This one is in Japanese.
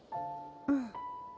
うん。